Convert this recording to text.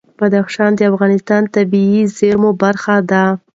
بدخشان د افغانستان د طبیعي زیرمو برخه ده.